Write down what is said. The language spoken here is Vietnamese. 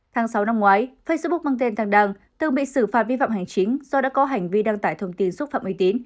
tháng sáu năm ngoái facebook mang tên tandang từng bị xử phạt vi phạm hành chính do đã có hành vi đăng tải thông tin xúc phạm uy tín